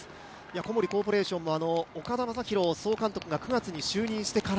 小森コーポレーションも岡田総監督が９月に就任してから